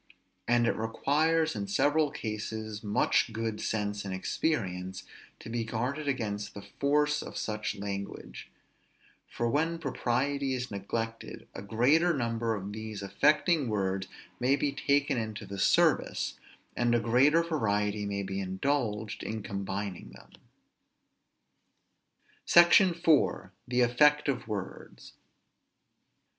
And it requires in several cases much good sense and experience to be guarded against the force of such language; for when propriety is neglected, a greater number of these affecting words may be taken into the service, and a greater variety may be indulged in combining them. SECTION IV. THE EFFECT OF WORDS.